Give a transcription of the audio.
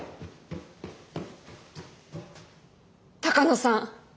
鷹野さん